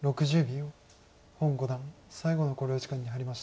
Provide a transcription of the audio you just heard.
洪五段最後の考慮時間に入りました。